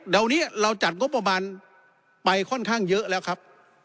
เดี๋ยวนี้เราจัดงบประมาณไปค่อนข้างเยอะแล้วครับ